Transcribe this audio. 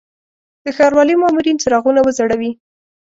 د ښاروالي مامورین څراغونه وځړوي.